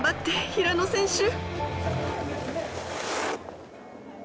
平野選手。